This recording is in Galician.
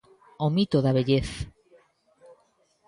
O mito da vellez.